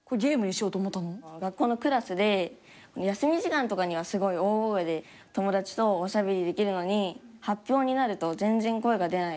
学校のクラスで休み時間とかにはすごい大声で友達とおしゃべりできるのに発表になると全然声が出ない。